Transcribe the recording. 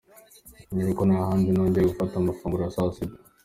Dore ko nta handi nongeye gufata amafunguro ya saa sita.